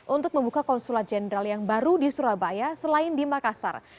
untuk membuka konsulat jenderal yang baru di surabaya selain di makassar